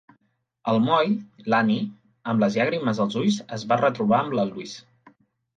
Al moll, l'Annie amb les llàgrimes als ulls, es va retrobar amb la Louise.